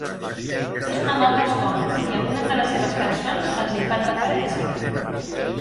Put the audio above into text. És un amant dels còmics, i algunes de les seves cançons els hi fan referència.